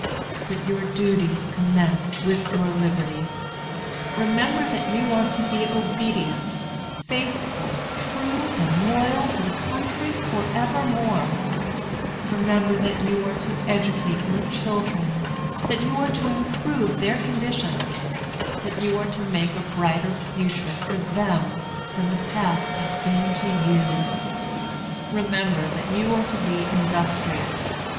"But your duties commence with your liberties. Remember that you are to be obedient, faithful, true, and loyal to the country forevermore. [Cheers, and cries of 'Yes!' 'Yes!' 'Yes!'] Remember that you are to educate your children; that you are to improve their condition; that you are to make a brighter future for them than the past has been to you. Remember that you are to be industrious.